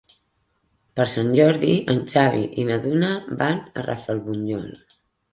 Per Sant Jordi en Xavi i na Duna van a Rafelbunyol.